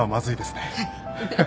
はい。